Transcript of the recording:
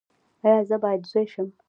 ایا زه باید زوی شم؟